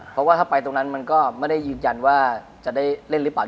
เพราะว่าถ้าไปตรงนั้นมันก็ไม่ได้ยืนยันว่าจะได้เล่นหรือเปล่า